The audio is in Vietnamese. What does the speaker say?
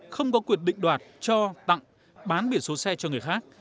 không có quyền định đoạt cho tặng bán biển số xe cho người khác